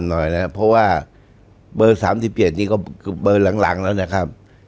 หน่อยนะครับเพราะว่าเบอร์๓๗นี่ก็คือเบอร์หลังแล้วนะครับ